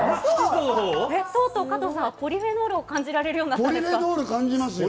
とうとう、加藤さんはポリフェノールを感じられるようになったんですか？